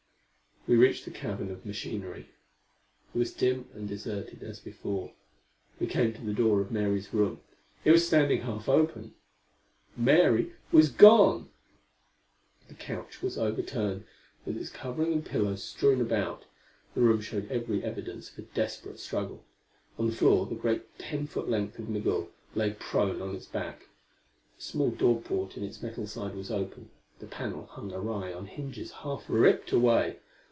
We reached the cavern of machinery. It was dim and deserted, as before. We came to the door of Mary's room. It was standing half open! Mary was gone! The couch was overturned, with its coving and pillows strewn about. The room showed every evidence of a desperate struggle. On the floor the great ten foot length of Migul lay prone on its back. A small door porte in its metal side was open; the panel hung awry on hinges half ripped away.